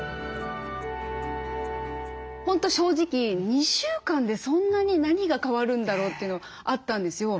本当正直２週間でそんなに何が変わるんだろうというのがあったんですよ。